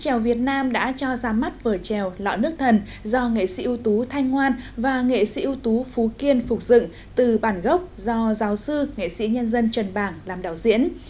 chèo việt nam đã cho ra mắt vở trèo lọ nước thần do nghệ sĩ ưu tú thanh ngoan và nghệ sĩ ưu tú phú kiên phục dựng từ bản gốc do giáo sư nghệ sĩ nhân dân trần bảng làm đạo diễn